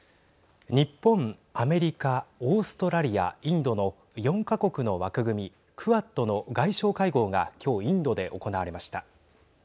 日本、アメリカ、オーストラリアインドの４か国の枠組み＝クアッドの外相会合が今日インドで行われました。